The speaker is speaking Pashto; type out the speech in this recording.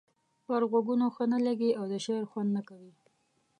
پر غوږونو ښه نه لګيږي او د شعر خوند نه کوي.